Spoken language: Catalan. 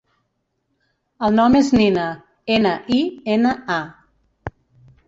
El nom és Nina: ena, i, ena, a.